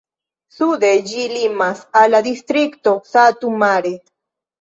Sude ĝi limas al la distrikto Satu Mare.